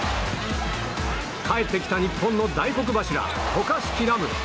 帰ってきた日本の大黒柱渡嘉敷来夢。